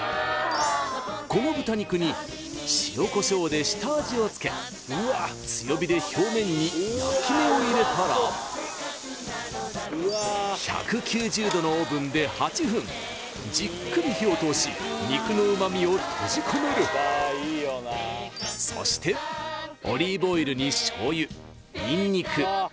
この豚肉に塩コショウで下味をつけ強火で表面に焼き目を入れたら１９０度のオーブンで８分じっくり火を通し肉の旨みを閉じ込めるそしてオリーブオイルに醤油ニンニク